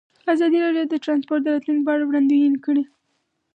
ازادي راډیو د ترانسپورټ د راتلونکې په اړه وړاندوینې کړې.